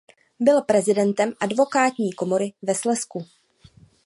Byl prezidentem advokátní komory ve Slezsku.